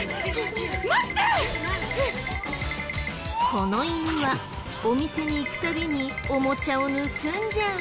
この犬はお店に行くたびにおもちゃを盗んじゃう。